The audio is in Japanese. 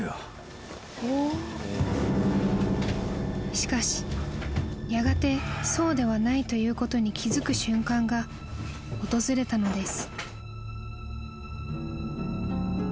［しかしやがてそうではないということに気付く瞬間が訪れたのです］